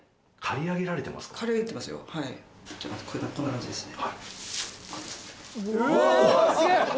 こんな感じですね